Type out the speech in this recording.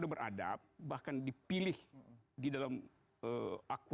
berada bahkan dipilih di dalam akwarium jalan jalan itu di pimpinan itu itu bisa dikumpulkan kecuali